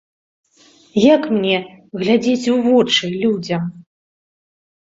Як мне глядзець у вочы людзям?